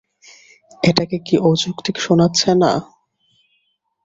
এটাকে কি অযৌক্তিক শোনাচ্ছে না?